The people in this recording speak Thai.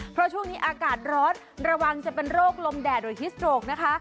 เพราะช่วงนี้อากาศร้อนระวังจะเป็นโรคลมแดดโดยฮิสโตรกนะคะ